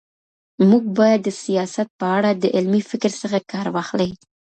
موږ بايد د سياست په اړه د علمي فکر څخه کار واخلي.